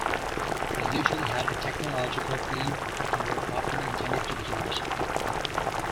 They usually had a technological theme and were often intended to be humorous.